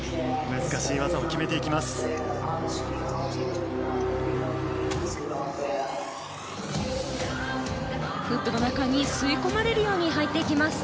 難しい技を決めていきます。